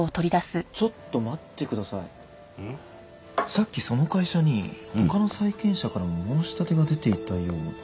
さっきその会社に他の債権者からも申し立てが出ていたような。